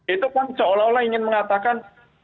itu kan seolah olah ingin mengatakan